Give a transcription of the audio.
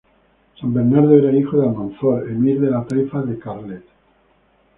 San Bernardo era hijo de Almanzor, emir de la Taifa de Carlet.